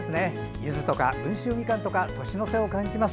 ゆずとか温州みかんとか年の瀬を感じます。